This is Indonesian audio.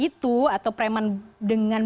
itu atau preman dengan